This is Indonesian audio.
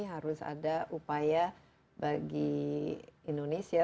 harus ada upaya bagi indonesia